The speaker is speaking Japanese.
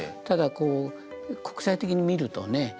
ただ国際的に見るとね